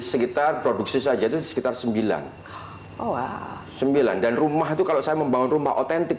sekitar produksi saja itu sekitar sembilan sembilan dan rumah itu kalau saya membangun rumah otentik